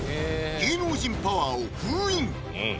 芸能人パワーを封印！